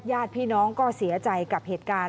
ญาติพี่น้องก็เสียใจกับเหตุการณ์